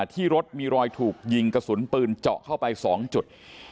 ที่รถมีรอยถูกยิงกระสุนปืนเจาะเข้าไป๒จุด